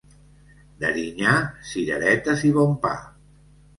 D'Erinyà, cireretes i bon pa.